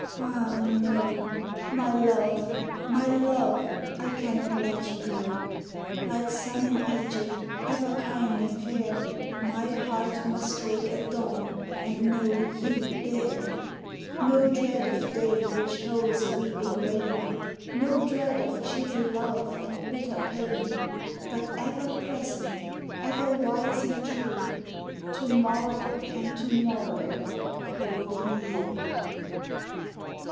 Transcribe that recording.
Ah, no! My love, my love, I cannot let you go. Like sun in Egypt, ever kind and fair, My heart must wake at dawn and know you there No dread of day which holds a weeping rain, No dread of chilly love and bitter pain, But ever present, ever wise and true, To morrow and to morrow holding you.